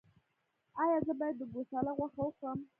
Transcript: ایا زه باید د ګوساله غوښه وخورم؟